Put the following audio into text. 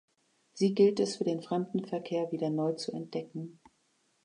Sie gilt es für den Fremdenverkehr wieder neu zu entdecken.